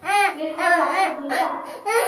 বের হওয়ার রাস্তা দুইটা?